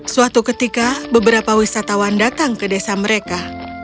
suatu ketika beberapa wisatawan datang ke desa mereka